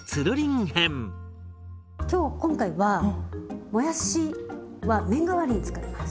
今日今回はもやしは麺代わりに使います。